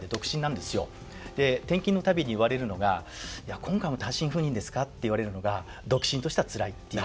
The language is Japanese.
で転勤の度に言われるのが「今回も単身赴任ですか？」って言われるのが独身としてはつらいっていう。